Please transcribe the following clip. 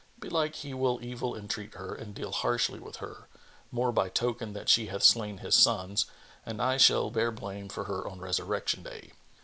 Belike he will evil entreat her and deal harshly with her, more by token that she hath slain his sons, and I shall bear blame for her on Resurrection day.